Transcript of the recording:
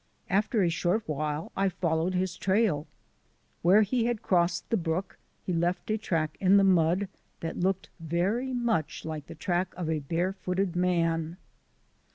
After a short while I followed his trail. Where he had crossed a brook he left a track in the mud that looked very much like the track of a bare footed man.